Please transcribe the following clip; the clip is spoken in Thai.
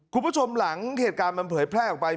คุณผู้ชมหลังเหตุการณ์มันเผยแพร่ออกไป